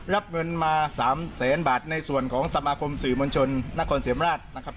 รับเงินมา๓แสนบาทในส่วนของสมาคมสื่อมวลชนนครเสมราชนะครับ